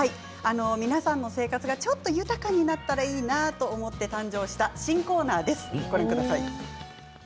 皆さんの生活がちょっと豊かになったらいいなと思って誕生した新コーナーです。